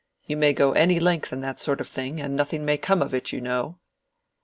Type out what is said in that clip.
You may go any length in that sort of thing, and nothing may come of it, you know."